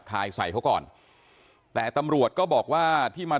โคศกรรชาวันนี้ได้นำคลิปบอกว่าเป็นคลิปที่ทางตำรวจเอามาแถลงวันนี้นะครับ